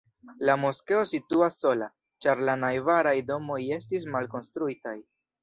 La moskeo situas sola, ĉar la najbaraj domoj estis malkonstruitaj.